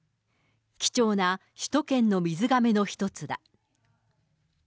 貴重な首都圏の水がめの一つだ。